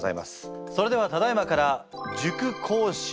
それではただいまから塾講師